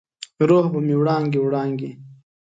روح به مې وړانګې، وړانګې،